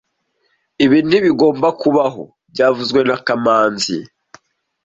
Ibi ntibigomba kubaho byavuzwe na kamanzi